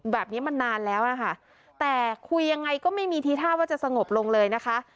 แบบนี้มันนานแล้วนะคะแต่คุยยังไงก็ไม่มีทีท่าว่าจะสงบลงเลยนะคะ